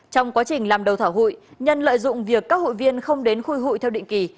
trong quá trình làm đầu thảo hội nhân lợi dụng việc các hội viên không đến khui hội theo định kỳ